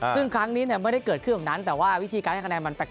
ซึ่งครั้งนี้ไม่ได้เกิดขึ้นแบบนั้นแต่ว่าวิธีการให้คะแนนมันแปลก